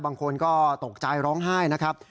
บางคนก็ตกใจร้องไห้นะครับ